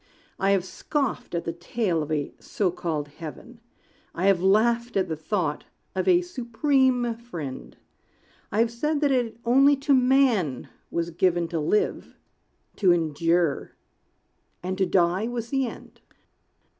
I have scoffed at the tale of a so called heaven; I have laughed at the thought of a Supreme Friend; I have said that it only to man was given To live, to endure; and to die was the end.